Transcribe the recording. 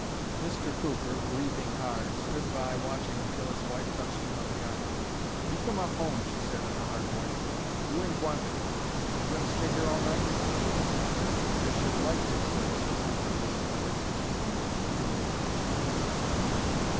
Mr. Cooper, breathing hard, stood by watching until his wife touched him on the arm. "You come off home," she said, in a hard voice. "You ain't wanted. Are you going to stay here all night?" "I should like to," said Mr. Cooper, wistfully.